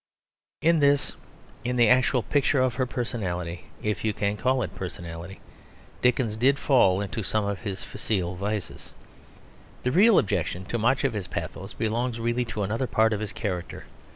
In this, in the actual picture of her personality, if you can call it a personality, Dickens did fall into some of his facile vices. The real objection to much of his pathos belongs really to another part of his character.